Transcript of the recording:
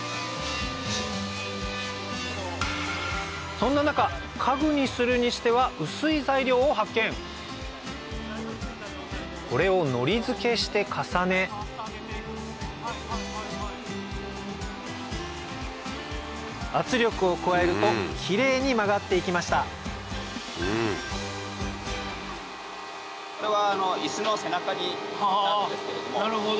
そんな中家具にするにしてはこれをのり付けして重ね圧力を加えるとキレイに曲がっていきましたこれは。